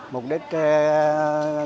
một đứa kia